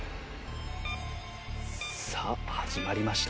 さあ始まりました。